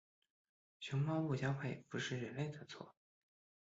熊猫不交配不是人类的错。